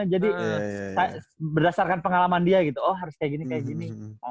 jadi berdasarkan pengalaman dia gitu oh harus kayak gini kayak gini